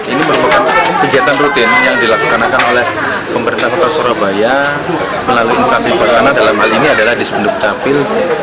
ini merupakan kegiatan rutin yang dilaksanakan oleh pemerintah kota surabaya melalui instasi perusahaan dalam hal ini adalah di sepunduk kapil